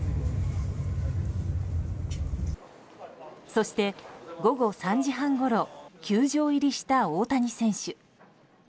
そして午後３時半ごろ球場入りした大谷選手。